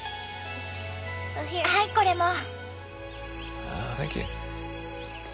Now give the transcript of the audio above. はいこれも。